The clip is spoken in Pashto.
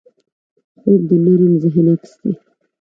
خوب د نرم ذهن عکس دی